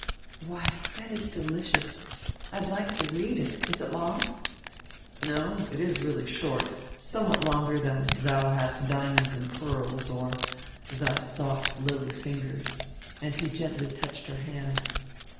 '" "Why, that is delicious! I'd like to read it. Is it long?" "No, it is really short, somewhat longer than 'Thou hast diamonds and pearls,' or 'Thy soft lily fingers,'" and he gently touched her hand.